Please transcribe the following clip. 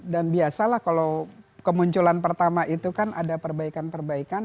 dan biasalah kalau kemunculan pertama itu kan ada perbaikan perbaikan